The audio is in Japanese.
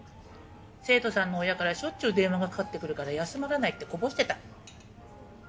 生徒さんの親からしょっちゅう電話がかかってくるから休まらないってこぼしてた。